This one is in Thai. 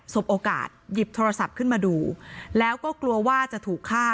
บโอกาสหยิบโทรศัพท์ขึ้นมาดูแล้วก็กลัวว่าจะถูกฆ่า